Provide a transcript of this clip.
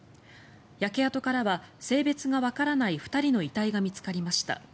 焼け跡からは性別がわからない２人の遺体が見つかりました。